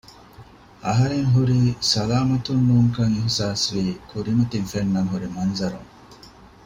އަހަރެން ހުރީ ސަލާމަތުން ނޫންކަން އިހުސާސްވީ ކުރިމަތިން ފެންނަން ހުރި މަންޒަރުން